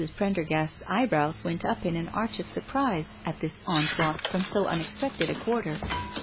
Prendergast's eyebrows went up in an arch of surprise at this onslaught from so unexpected a quarter.